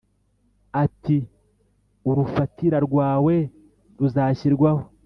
atii urufatira rwawe ruzashyirwaho